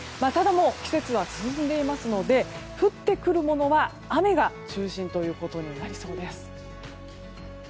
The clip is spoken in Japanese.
ただ、季節は進んでいますので降ってくるものは雨が中心ということになりそうです。